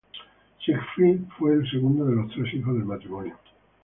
Siegfried fue el segundo de los tres hijos del matrimonio.